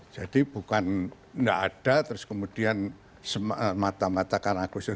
jadi bukan gak ada terus kemudian mata mata karena agustus